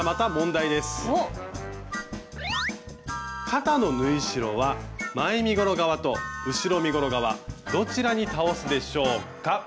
肩の縫い代は前身ごろ側と後ろ身ごろ側どちらに倒すでしょうか？